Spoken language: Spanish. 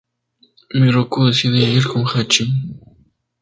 Miroku decide ir con Hachi.